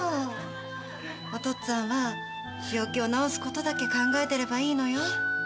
おとっつぁんは病気を治すことだけ考えてればいいの。